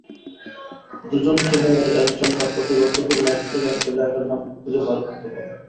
দুজন খেলোয়াড়ের একজন তার প্রতিপক্ষকে ম্যাপ থেকে একটা জায়গার নাম খুঁজে বার করতে বলে।